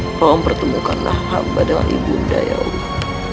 mohon pertemukanlah hamba dengan ibu unda ya allah